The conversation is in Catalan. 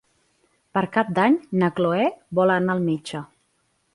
Per Cap d'Any na Cloè vol anar al metge.